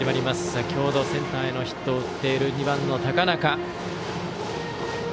先程センターへのヒットを打っている２番の高中。